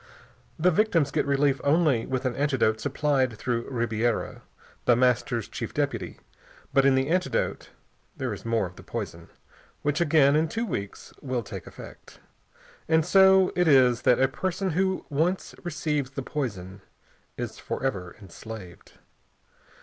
The victims get relief only with an antidote supplied through Ribiera, The Master's Chief Deputy; but in the antidote there is more of the poison, which again in two weeks will take effect. And so it is that a person who once receives the poison is forever enslaved.